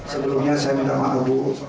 sebelumnya saya minta maaf dulu